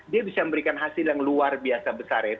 dia bisa memberikan hasil yang luar biasa besar ya